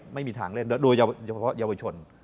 ไม่มีทางเล่นโดยเฉพาะเยาวชน